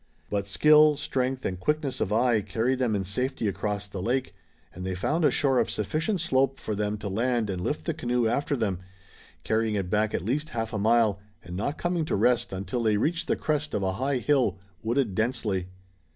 But skill, strength and quickness of eye carried them in safety across the lake, and they found a shore of sufficient slope for them to land and lift the canoe after them, carrying it back at least half a mile, and not coming to rest until they reached the crest of a high hill, wooded densely.